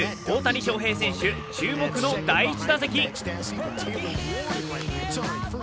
大谷翔平選手、注目の第１打席。